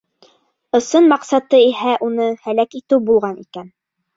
Ысын маҡсаты иһә уны һәләк итеү булған икән.